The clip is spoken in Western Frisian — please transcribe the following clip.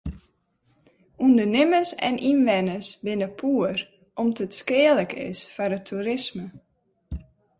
Undernimmers en ynwenners binne poer om't it skealik is foar it toerisme.